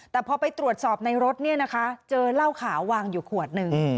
แต่พอไปตรวจสอบในรถเนี่ยนะคะเจอเหล้าขาววางอยู่ขวดหนึ่ง